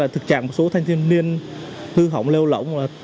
thực trạng một số thanh niên hư hỏng lêu lỗng